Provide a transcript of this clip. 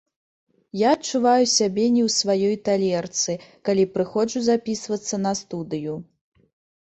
Я адчуваю сябе не ў сваёй талерцы, калі прыходжу запісвацца на студыю.